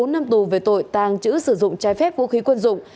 bốn năm tù về tội tàng trữ sử dụng trái phép vũ khí quân dụng